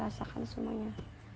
saya rasakan semuanya